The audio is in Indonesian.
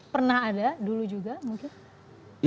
pernah ada dulu juga mungkin